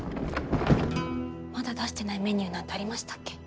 まだ出してないメニューなんてありましたっけ？